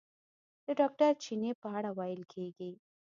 د ډاکټر چیني په اړه ویل کېږي.